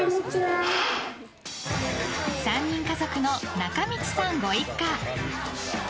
３人家族の中道さんご一家。